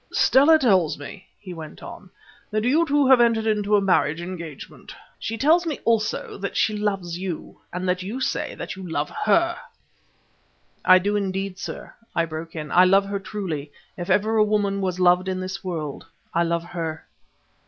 "Stella tells me," he went on, "that you two have entered into a marriage engagement. She tells me also that she loves you, and that you say that you love her." "I do indeed, sir," I broke in; "I love her truly; if ever a woman was loved in this world, I love her."